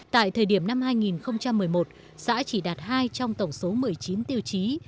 tại thời điểm năm hai nghìn một mươi một xã chỉ đạt hai trong tổng số một mươi chín tiêu chí